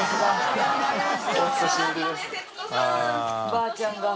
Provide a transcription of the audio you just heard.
ばあちゃんが。